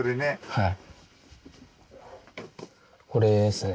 はい。